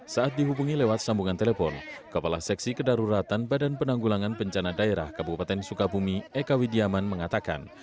saat dihubungi lewat sambungan telepon kepala seksi kedaruratan badan penanggulangan bencana daerah kabupaten sukabumi eka widiaman mengatakan